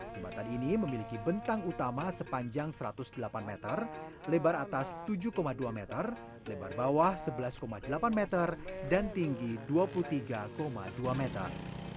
jembatan ini memiliki bentang utama sepanjang satu ratus delapan meter lebar atas tujuh dua meter lebar bawah sebelas delapan meter dan tinggi dua puluh tiga dua meter